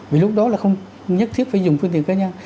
vì lúc đó là không nhất thiết phải dùng phương tiện cá nhân